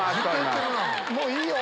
もういいよ。